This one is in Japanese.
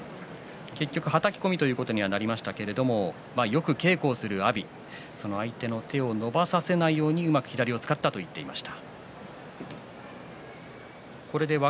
結局はたき込みになりましたけれどもよく稽古をする阿炎その相手の手を伸ばさせないようにうまく左を使ったと言っています。